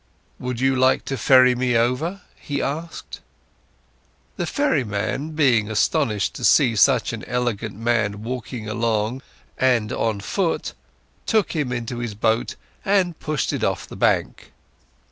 "Would you like to ferry me over?" he asked. The ferryman, being astonished to see such an elegant man walking along and on foot, took him into his boat and pushed it off the bank.